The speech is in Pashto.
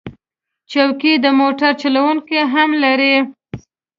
چوکۍ د موټر چلونکي هم لري.